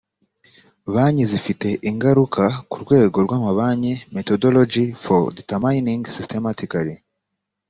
banki zifite ingaruka ku rwego rw amabanki methodology for determining systemically